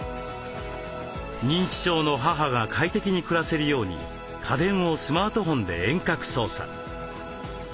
認知症の母が快適に暮らせるように家電をスマートフォンで遠隔操作。